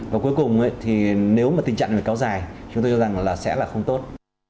và cuối cùng thì nếu mà tình trạng này kéo dài chúng tôi cho rằng là sẽ là không tốt